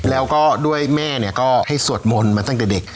แล้วก็ด้วยแม่เนี่ยก็ได้สวดหมนตั้งแต่เด็ก